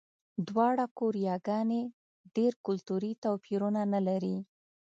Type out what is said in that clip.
دواړه کوریاګانې ډېر کلتوري توپیرونه نه لري.